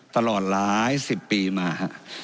ตลอดหลายสิบปีมา